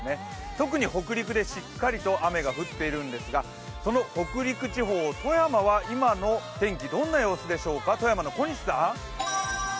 特に北陸でしっかりと雨が降っているんですがその北陸地方、富山は今の天気、どんな様子でしょうか？